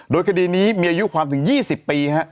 โดยคดีนี้มีอายุความถึง๒๐ปี